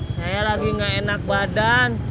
saya lagi gak enak badan